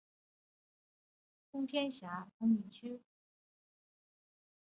该片拍摄于山西省长治市平顺县通天峡风景区。